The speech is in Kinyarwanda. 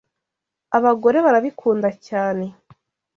Abagore barabikunda cyane.